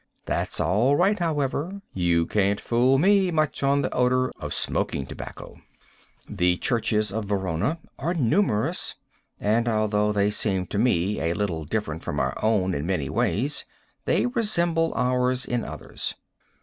That's all right, however. You can't fool me much on the odor of smoking tobacco. The churches of Verona are numerous, and although they seem to me a little different from our own in many ways, they resemble ours in others.